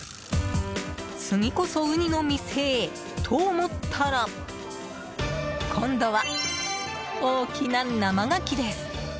次こそウニの店へ！と思ったら今度は、大きな生ガキです。